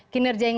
kinerja yang lain